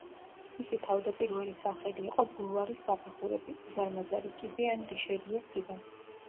მისი თავდაპირველი სახელი იყო ბულვარის საფეხურები, უზარმაზარი კიბე ან რიშელიეს კიბე.